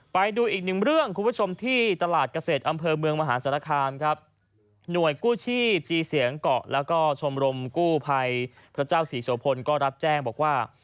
ไปดูอีกหนึ่งเรื่องคุณผู้ชมที่ตลาดเกษตรอำเภอเมืองมหาสารคามครับหน่วยกู้ชีพจีเสียงเกาะแล้วก็ชมรมกู้ภัยพระเจ้าศรีโสพลก็รับแจ้งบอกว่า